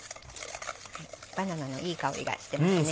バナナのいい香りがしてますね。